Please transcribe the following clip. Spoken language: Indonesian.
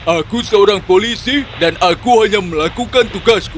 aku seorang polisi dan aku hanya melakukan tugasku